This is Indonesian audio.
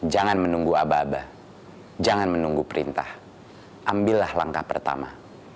jangan menunggu aba aba jangan menunggu perintah ambillah langkah pertama